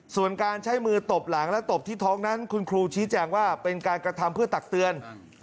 ส่วนการใช้มือตบหลังและตบที่ท้องนั้นคุณครูชี้แจงว่าเป็นการกระทำเพื่อตักเตือน